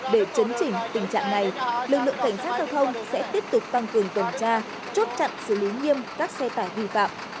để chấn chỉnh tình trạng này lực lượng cảnh sát giao thông sẽ tiếp tục tăng cường tuần tra chốt chặn xử lý nghiêm các xe tải vi phạm